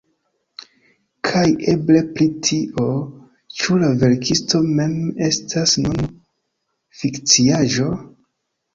Kaj eble pri tio, ĉu la verkisto mem estas nur fikciaĵo?